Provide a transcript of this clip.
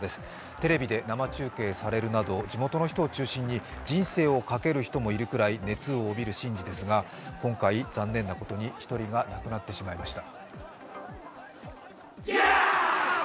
テレビで生中継されるなど地元の人を中心に人生をかける人もいるくらい熱を帯びる神事ですが今回、残念なことに１人が亡くなってしまいました。